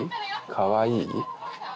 かわいい？